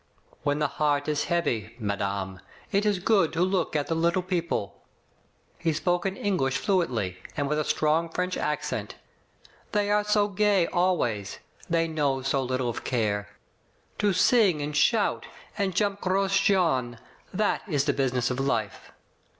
"When the heart is heavy, madame, it is good to look at the little people. He spoke in Eng lish fluently, and with a strong French accent. "They are so gay always. They know so little of care. To sing and shout, and jump Gros Jean, that is the business of life.